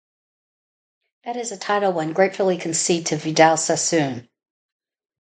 That is a title one gratefully concede to Vidal Sassoon.